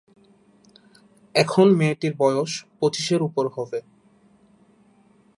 এখন মেয়েটির বয়স পঁচিশের উপর হবে।